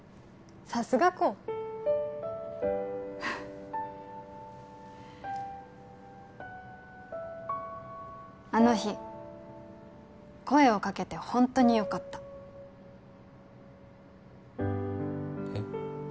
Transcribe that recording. さすが功あの日声をかけてホントによかったえっ？